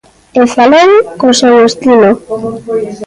E falou co seu estilo.